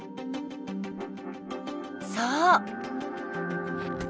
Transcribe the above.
そう。